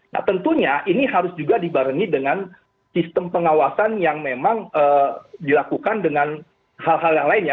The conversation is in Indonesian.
nah tentunya ini harus juga dibarengi dengan sistem pengawasan yang memang dilakukan dengan hal hal yang lainnya